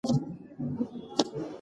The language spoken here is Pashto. موږ د یوې غوره راتلونکې هیله لرو.